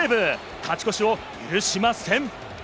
勝ち越しを許しません。